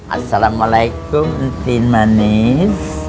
assalamualaikum entin manis